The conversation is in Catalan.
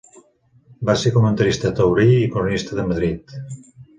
Va ser comentarista taurí i cronista de Madrid.